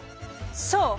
そう！